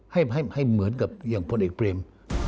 ให้เหมือนกับอย่างพลเอกเปรม